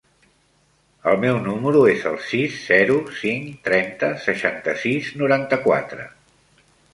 El meu número es el sis, zero, cinc, trenta, seixanta-sis, noranta-quatre.